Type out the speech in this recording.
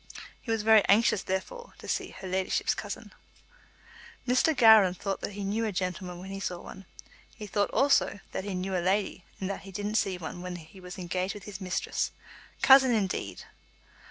He was very anxious, therefore, to see "her leddyship's" cousin. Mr. Gowran thought that he knew a gentleman when he saw one. He thought, also, that he knew a lady, and that he didn't see one when he was engaged with his mistress. Cousin, indeed!